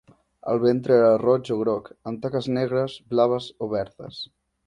El ventre era roig o groc, amb taques negres, blaves o verdes.